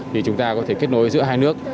thì chúng ta có thể kết nối giữa hai nước